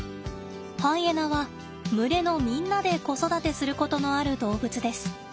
ハイエナは群れのみんなで子育てすることのある動物です。